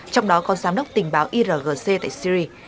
trong đó có giám đốc tình báo irgc tại syri